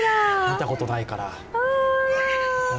見たことがないから。